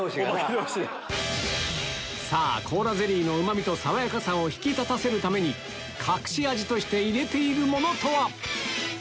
さぁコーラゼリーのうま味と爽やかさを引き立たせるために隠し味として入れているものとは？